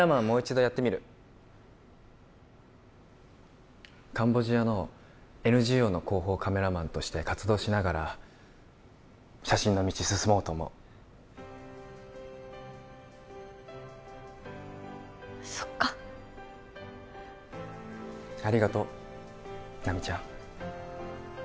もう一度やってみるカンボジアのＮＧＯの広報カメラマンとして活動しながら写真の道進もうと思うそっかありがとう奈未ちゃん